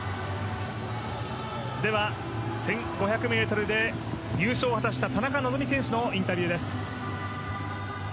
では１５００ｍで入賞を果たした田中希実選手のインタビューです。